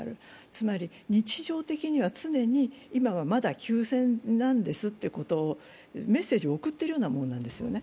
つまり日常的には常に、今はまだ休戦なんですということをメッセージを送っているようなものなんですよね。